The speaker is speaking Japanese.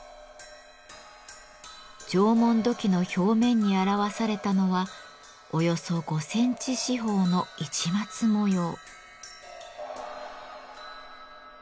縄文土器の表面に表されたのはおよそ５センチ四方の市松模様。